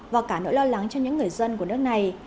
và cả nỗi lo lắng cho những người dân của nước này